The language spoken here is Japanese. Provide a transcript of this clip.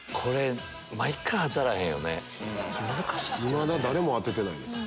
いまだ誰も当ててない。